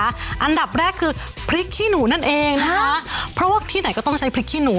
อันดับแรกคือพริกขี้หนูนั่นเองนะคะเพราะว่าที่ไหนก็ต้องใช้พริกขี้หนู